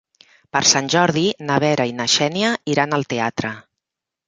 Per Sant Jordi na Vera i na Xènia iran al teatre.